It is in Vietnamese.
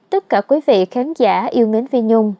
tất cả quý vị khán giả yêu mến phi nhung